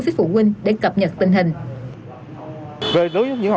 với phụ huynh để cập nhật tình hình